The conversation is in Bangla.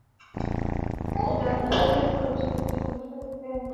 ডান হাতের কবজিতে সমস্যা থাকায় আঙুলে পেনসিল কলম ধরতে পারে না।